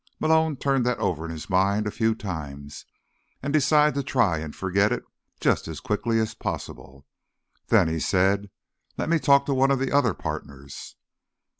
Malone turned that over in his mind a few times, and decided to try and forget it just as quickly as possible. "Then," he said, "let me talk to one of the other partners."